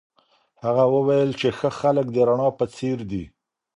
هغه وویل چي ښه خلک د رڼا په څېر دي.